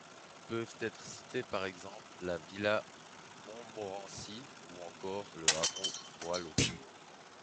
Peuvent être cités par exemple la villa Montmorency ou encore le hameau Boileau.